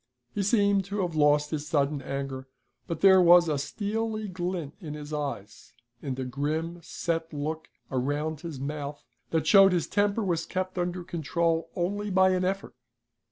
He seemed to have lost his sudden anger, but there was a steely glint in his eyes, and a grim, set look around his month that showed his temper was kept under control only by an effort.